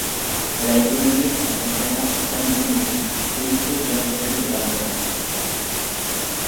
Elle a été nommée en référence à Samdzimari, déité géorgienne de l'abondance.